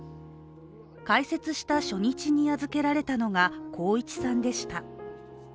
開設した初日に預けられたのが航一さんでした。